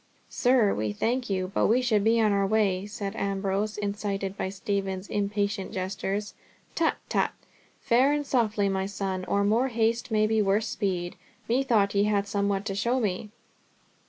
"Sir, we thank you, but we should be on our way," said Ambrose, incited by Stephen's impatient gestures. "Tut, tut. Fair and softly, my son, or more haste may be worse speed. Methought ye had somewhat to show me."